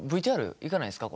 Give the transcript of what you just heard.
ＶＴＲいかないんすか？